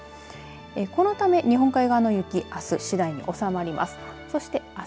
このため日本海側の雪あす次第に収まります。